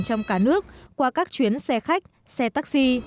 trong cả nước qua các chuyến xe khách xe taxi